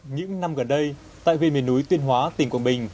những năm gần đây tại huyện miền núi tuyên hóa tỉnh quảng bình